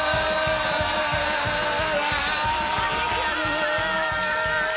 こんにちは！